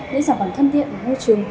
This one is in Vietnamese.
những sản phẩm thân thiện của môi trường